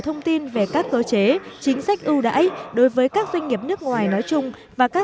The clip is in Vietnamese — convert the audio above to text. thông tin về các cơ chế chính sách ưu đãi đối với các doanh nghiệp nước ngoài nói chung và các